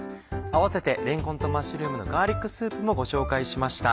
併せて「れんこんとマッシュルームのガーリックスープ」もご紹介しました。